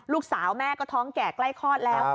ลูกสาวแม่ก็ท้องแก่ใกล้คลอดแล้ว